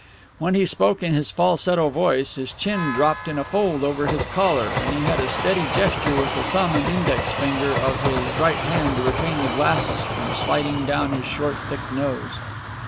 When he spoke in his falsetto voice, his chin dropped in a fold over his collar, and he had a steady gesture with the thumb and index finger of his right hand to retain the glasses from sliding down his short, thick nose.